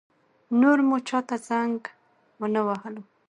نور مو چا ته زنګ ونه وهلو.